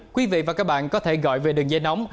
quý vị và các bạn có thể gọi về đường dây nóng